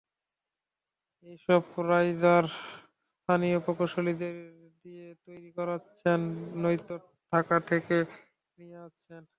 এসব রাইজার স্থানীয় প্রকৌশলীদের দিয়ে তৈরি করাচ্ছেন, নয়তো ঢাকা থেকে নিয়ে আসছেন।